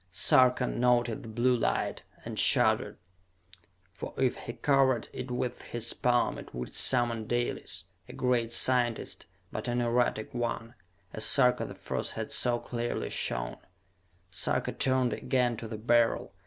Sarka noted the blue light, and shuddered. For if he covered it with his palm it would summon Dalis, a great scientist, but an erratic one, as Sarka the First had so clearly shown. Sarka turned again to the Beryl.